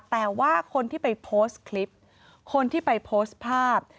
แต่ว่าคนที่ไปโพสต์คลิปคนที่ไปโพสต์ภาพ